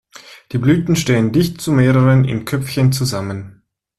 Die Blüten stehen dicht zu mehreren in Köpfchen zusammen.